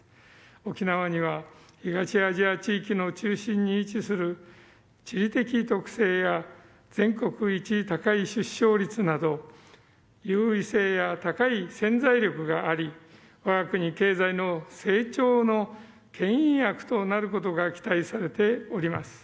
沖縄には、東アジア地域の中心に位置する地理的特性や全国一高い出生率など優位性や高い潜在力があり我が国経済の成長のけん引役となることが期待されております。